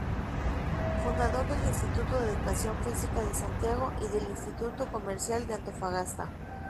Fundador del Instituto de Educación Física de Santiago y del Instituto Comercial de Antofagasta.